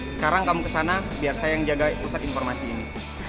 sekarang kamu kesana biar saya yang jaga pusat informasi ini